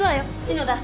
篠田。